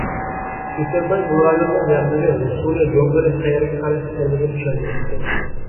كۈسەنباي بۇ رايوننىڭ يەرلىرى، ھوسۇلى، يوللىرى، قەيەرگە قاراشلىق ئىكەنلىكىنى چۈشەندۈرۈپتۇ.